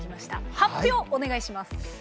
発表お願いします。